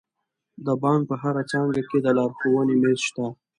د بانک په هره څانګه کې د لارښوونې میز شته.